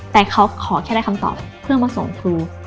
แต่เขาขอแค่ได้คำตอบเพื่อมาส่งครู